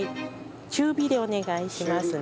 中火でお願いしますね。